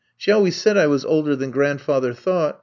She always said I was older than grandfather thought.